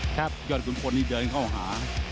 ครับยดกลุ่มพลนี้เดินเข้าหา